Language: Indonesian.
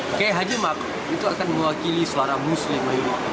nah kiai haji ma'ruf itu akan mewakili suara muslim